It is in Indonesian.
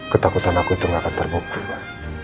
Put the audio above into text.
ketakutan aku itu gak akan terbukti pak